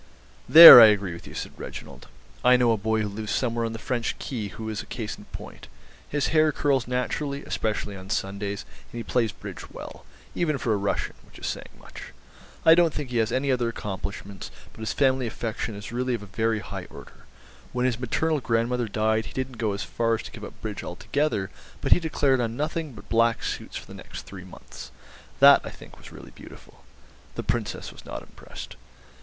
"There I agree with you," said Reginald. "I know a boy who lives somewhere on the French Quay who is a case in point. His hair curls naturally, especially on Sundays, and he plays bridge well, even for a Russian, which is saying much. I don't think he has any other accomplishments, but his family affection is really of a very high order. When his maternal grandmother died he didn't go as far as to give up bridge altogether, but he declared on nothing but black suits for the next three months. That, I think, was really beautiful." The Princess was not impressed.